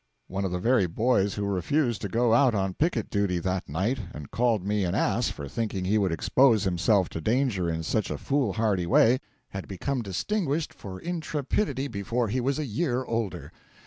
One of the very boys who refused to go out on picket duty that night, and called me an ass for thinking he would expose himself to danger in such a foolhardy way, had become distinguished for intrepidity before he was a year older.